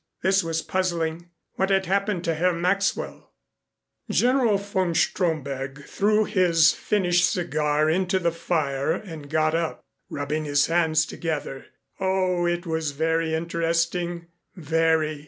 This was puzzling. What had happened to Herr Maxwell? General von Stromberg threw his finished cigar into the fire and got up, rubbing his hands together. Oh, it was very interesting very.